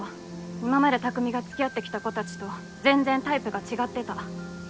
今まで匠がつきあってきた子たちと全然タイプが違ってた。